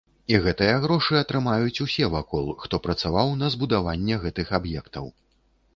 І гэтыя грошы атрымаюць усе вакол, хто працаваў на збудаванне гэтых аб'ектаў.